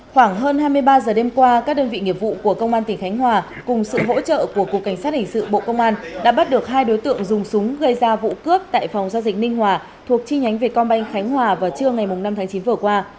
khoảng hơn hai mươi ba giờ đêm qua các đơn vị nghiệp vụ của công an tỉnh khánh hòa cùng sự hỗ trợ của cục cảnh sát hình sự bộ công an đã bắt được hai đối tượng dùng súng gây ra vụ cướp tại phòng giao dịch ninh hòa thuộc chi nhánh việt công banh khánh hòa vào trưa ngày năm tháng chín vừa qua